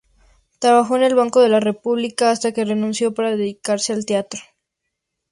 Trabajó en el Banco de la República hasta que renunció para dedicarse al teatro.